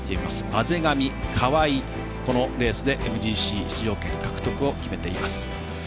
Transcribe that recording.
畔上、河合、このレースでＭＧＣ出場権獲得を決めています。